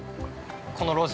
◆この路地。